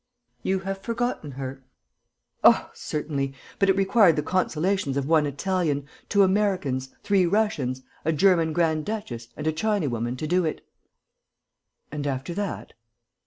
"You have forgotten her?" "Oh, certainly! But it required the consolations of one Italian, two Americans, three Russians, a German grand duchess and a Chinawoman to do it!" "And, after that....?"